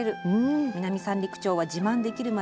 南三陸町は自慢できる町。